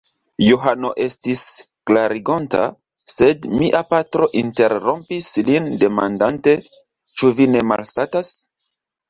Johano estis klarigonta, sed mia patro interrompis lin demandante: Ĉu vi ne malsatas?